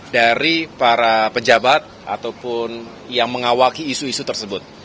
dari para pejabat ataupun yang mengawaki isu isu tersebut